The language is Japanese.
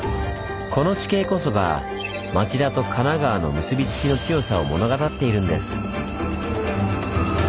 この地形こそが町田と神奈川の結びつきの強さを物語っているんです。